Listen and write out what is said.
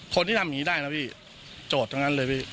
คนที่ทำแบบนี้ได้นะโจทย์ทั้ง